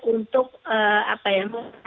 untuk apa ya